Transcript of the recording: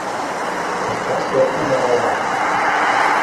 Кышка шӧртньым, орала